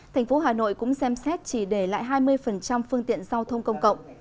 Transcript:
tp hà nội cũng xem xét chỉ để lại hai mươi phương tiện giao thông công cộng